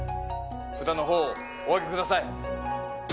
札の方をお挙げください。